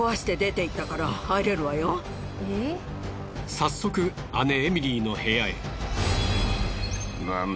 早速姉エミリーの部屋へ。